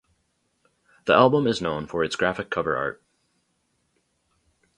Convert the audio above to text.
The album is known for its graphic cover art.